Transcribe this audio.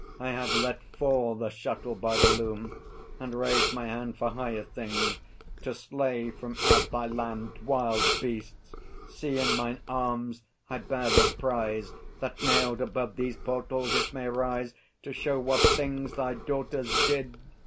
I have let fall The shuttle by the loom, and raised my hand For higher things, to slay from out thy land Wild beasts! See, in mine arms I bear the prize, That nailed above these portals it may rise To show what things thy daughters did!